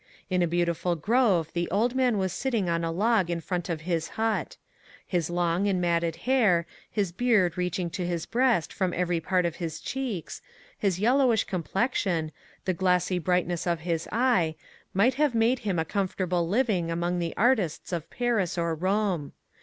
Li a beautiful grove the old man was sitting on a log in front of his hut. His long and matted hair, his beard reaching to his breast from every part of his cheeks, his yellowish complexion, the glassy brightness of his eye, might have made him a com fortable living among the artists of Paris or Rome.